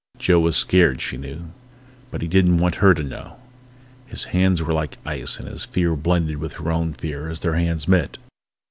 Joe was scared, she knew. But he didn't want her to know. His hands were like ice and his fear blended with her own fear as their hands met.